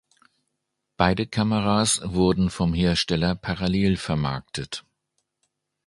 Beide Kameras wurden vom Hersteller parallel vermarktet.